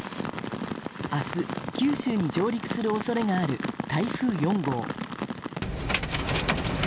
明日、九州に上陸する恐れがある台風４号。